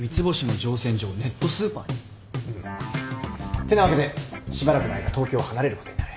ってなわけでしばらくの間東京を離れることになる。